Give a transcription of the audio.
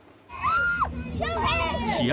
試合